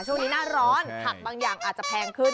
ช่วงนี้หน้าร้อนผักบางอย่างอาจจะแพงขึ้น